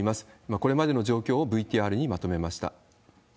これまでの状況をＶＴＲにまとめました。